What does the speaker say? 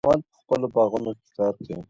بڼوال په خپلو باغونو کي کار کوي.